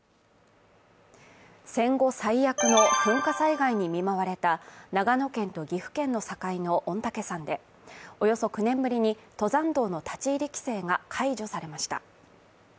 戦後最悪の噴火災害に見舞われた長野県と岐阜県の境の御嶽山でおよそ９年ぶりに登山道の立ち入り規制が解除されました。